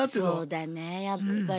そうだねやっぱり。